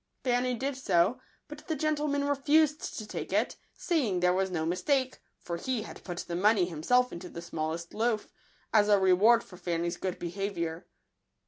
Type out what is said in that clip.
Fanny did so ; but the gentleman refused to take it, saying there was no mis take, for he had put the money himself into the smallest loaf, as a reward for Fanny's good behaviour.